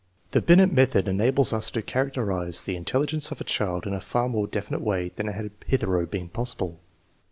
The Binet method enables us to characterize the in telligence of a child in a far more definite way than had hitherto been possible.